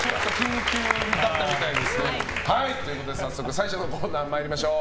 早速最初のコーナーに参りましょう。